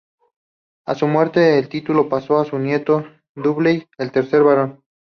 A su muerte el título pasó a su nieto Dudley, el tercer barón.